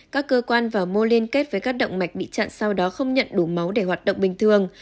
các cơ quan và mô liên kết với các động mạch bị chặn sau đó không nhận đủ máu để hoạt động bình thường